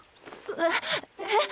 えっ！えっ？